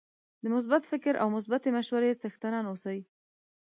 د مثبت فکر او مثبتې مشورې څښتنان اوسئ